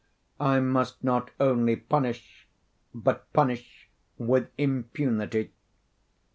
I must not only punish, but punish with impunity.